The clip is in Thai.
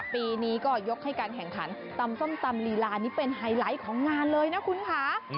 ปีนี้ก็ยกให้การแข่งขันตำส้มตำลีลานี่เป็นไฮไลท์ของงานเลยนะคุณค่ะ